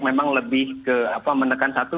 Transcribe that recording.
memang lebih menekan satu